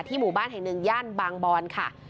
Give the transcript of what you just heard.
หมู่บ้านแห่งหนึ่งย่านบางบอนค่ะ